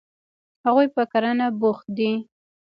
هغوی په کرنه بوخت دي.